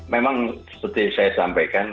memang seperti saya sampaikan